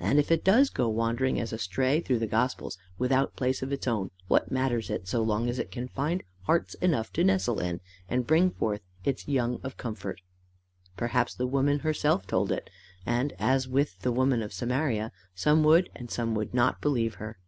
And if it does go wandering as a stray through the gospels, without place of its own, what matters it so long as it can find hearts enough to nestle in, and bring forth its young of comfort! Perhaps the woman herself told it, and, as with the woman of Samaria, some would and some would not believe her.